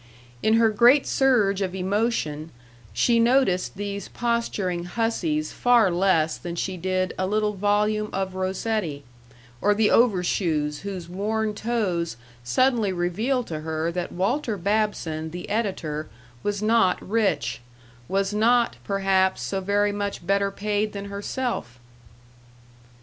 In her great surge of emotion, she noticed these posturing hussies far less than she did a little volume of Rosetti, or the overshoes whose worn toes suddenly revealed to her that Walter Babson, the editor, was not rich was not, perhaps, so very much better paid than herself.